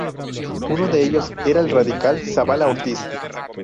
Uno de ellos era el radical Zavala Ortiz.